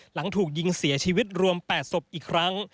หลังถูกยิงเสียชีวิตรวม๘ศพอีกครั้ง